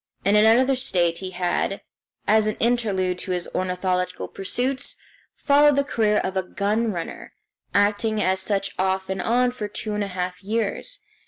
In another state he had, as an interlude to his ornithological pursuits, followed the career of a gun runner, acting as such off and on for two and a half years.